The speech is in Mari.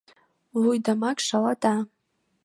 Вуйдамак шалата!